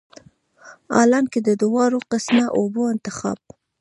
حالانکه د دواړو قسمه اوبو انتخاب